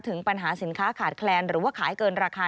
ถึงปัญหาสินค้าขาดแคลนหรือว่าขายเกินราคา